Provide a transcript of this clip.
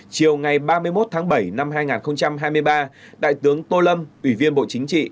chiều ngày ba mươi một tháng bảy năm hai nghìn hai mươi ba đại tướng tô lâm ủy viên bộ chính trị